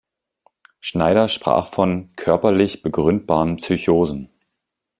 Schneider sprach von „körperlich begründbaren Psychosen“.